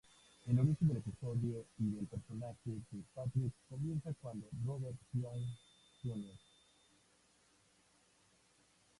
El origen del episodio y del personaje de Patrick comienzan cuando Robert Downey Jr.